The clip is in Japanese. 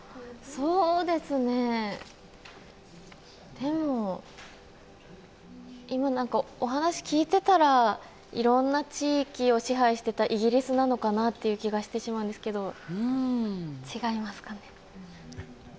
でも、お話を聞いてたらいろんな地域を支配していたイギリスなのかなという気がしてしまうんですが違いますかね？